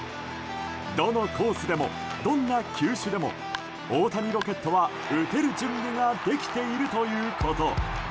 どのコースでもどんな球種でも大谷ロケットは打てる準備ができているということ。